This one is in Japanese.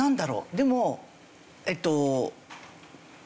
でもえっと。